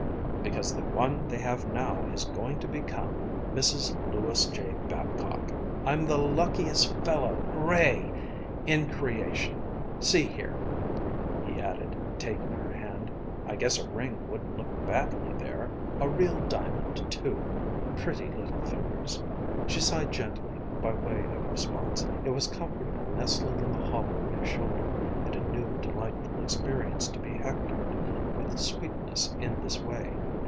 "Because the one they have now is going to become Mrs. Lewis J. Babcock. I'm the luckiest fellow, hooray! in creation. See here," he added, taking her hand, "I guess a ring wouldn't look badly there a real diamond, too. Pretty little fingers." She sighed gently, by way of response. It was comfortable nestling in the hollow of his shoulder, and a new delightful experience to be hectored with sweetness in this way.